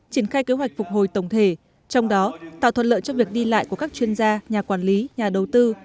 triển khai kế hoạch phục hồi tổng thể trong đó tạo thuận lợi cho việc đi lại của các chuyên gia nhà quản lý nhà đầu tư